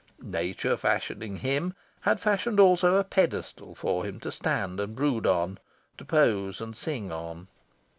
Nature, fashioning him, had fashioned also a pedestal for him to stand and brood on, to pose and sing on.